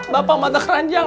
bapak mata keranjang